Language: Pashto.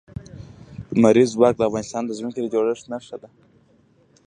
لمریز ځواک د افغانستان د ځمکې د جوړښت نښه ده.